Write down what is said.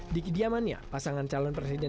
di kediamannya pasangan calon presiden